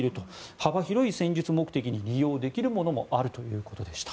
幅広い戦術目的に利用できるものもあるということでした。